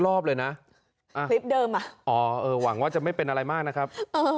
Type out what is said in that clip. รอบเลยนะคลิปเดิมอ่ะอ๋อเออหวังว่าจะไม่เป็นอะไรมากนะครับ